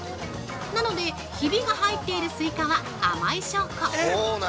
なのでヒビが入っているスイカは甘い証拠。